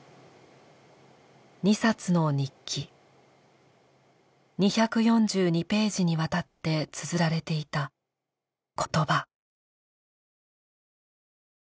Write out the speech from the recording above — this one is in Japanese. ２冊の日記２４２ページにわたってつづられていた言葉。